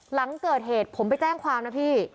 หลังเกิดเหตุผมไปแจ้งความนะพี่